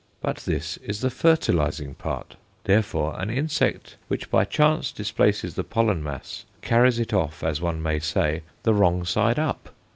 But this is the fertilizing part. Therefore, an insect which by chance displaces the pollen mass carries it off, as one may say, the wrong side up.